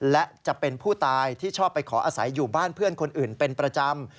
และจะเป็นผู้ตายที่ชอบไปขออาศัยอยู่บ้านเพื่อนคนอื่นเป็นประจำ